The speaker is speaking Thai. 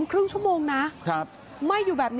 ครึ่งชั่วโมงนะไหม้อยู่แบบนี้